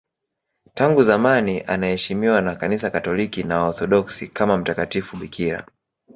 Tangu zamani anaheshimiwa na Kanisa Katoliki na Waorthodoksi kama mtakatifu bikira.